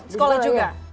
di sekolah juga